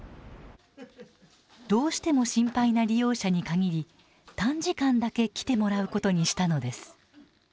どうしても心配な利用者に限り短時間だけ来てもらうことにしたのです。